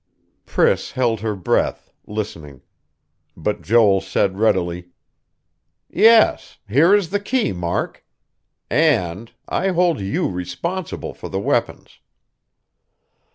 Priss held her breath, listening.... But Joel said readily: "Yes. Here is the key, Mark. And I hold you responsible for the weapons."